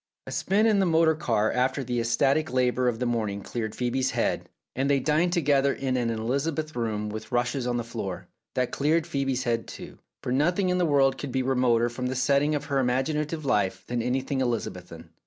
A spin in the motor car after the ecstatic labour of the morning cleared Phoebe's head, and they dined together in an Elizabethan room with rushes on the floor. That cleared Phoebe's head, too, for nothing in the world could be remoter from the setting of her imaginative life than anything Elizabethan.